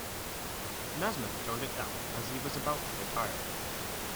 Nasmyth turned it down as he was about to retire.